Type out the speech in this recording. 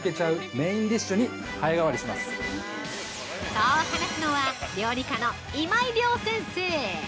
◆そう話すのは料理家の今井亮先生。